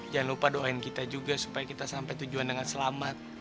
jangan lupa doain kita juga supaya kita sampai tujuan dengan selamat